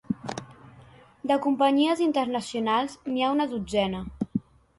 De companyies internacionals, n’hi ha una dotzena.